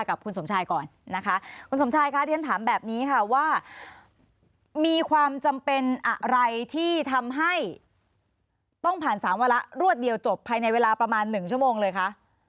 คุณสมชายก้อนนะคะ